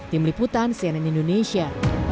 tim liputan cnn indonesia